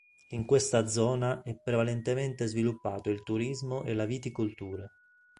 In questa zona è prevalentemente sviluppato il turismo e la viticoltura.